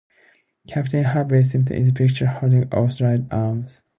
Captain Hervey Smythe is pictured holding Wolfe's right arm.